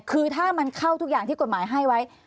อะไรก็แล้วแต่คือถ้ามันเข้าทุกอย่างที่กฎหมายให้ไว้